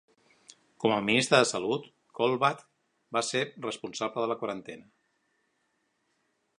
Com a ministre de salut, Colebatch va ser responsable de la quarantena.